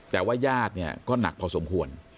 แต่ว่าญาติก็นักพอสมควร